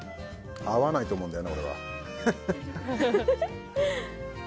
合わないと思うんだよな、俺は。